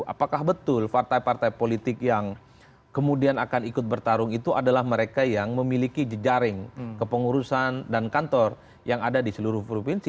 apakah betul partai partai politik yang kemudian akan ikut bertarung itu adalah mereka yang memiliki jejaring kepengurusan dan kantor yang ada di seluruh provinsi